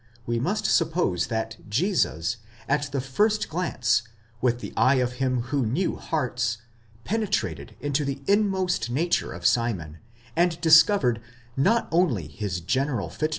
we must suppose that Jesus at the first glance, with the eye of him who knew hearts, penetrated into the inmost nature of Simon, and discovered not only his general fitness 7 Paulus, exeg.